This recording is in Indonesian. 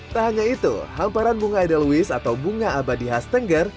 tak hanya itu hamparan bunga adelewiss atau bunga abadi khas tengger